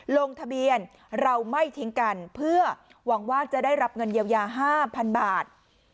ลงทะเบียนเราไม่ทิ้งกันเพื่อหวังว่าจะได้รับเงินเยียวยา๕๐๐๐บาท